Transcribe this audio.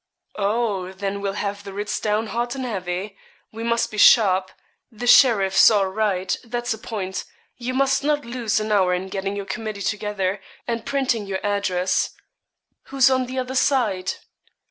'Ho, then, we'll have the writs down hot and heavy. We must be sharp. The sheriff's all right; that's a point. You must not lose an hour in getting your committee together, and printing your address.' 'Who's on the other side?'